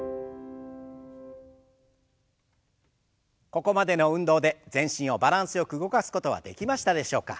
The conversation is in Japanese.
ここまでの運動で全身をバランスよく動かすことはできましたでしょうか。